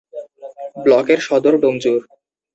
ব্লকের সদর ডোমজুড়।